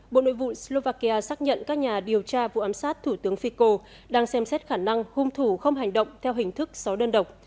bộ nội vụ slovakia xác nhận các nhà điều tra vụ ám sát thủ tướng fico đang xem xét khả năng hung thủ không hành động theo hình thức sáu đơn độc